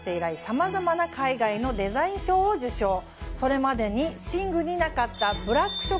それまで寝具になかった。